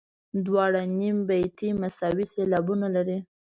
دواړه نیم بیتي مساوي سېلابونه لري.